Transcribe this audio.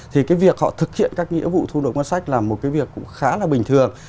thì cái việc họ thực hiện các nghĩa vụ thu nộp ngân sách là một cái việc cũng khá là bình thường